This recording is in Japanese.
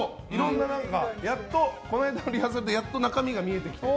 やっとこの間のリハーサルで中身が見えてきて。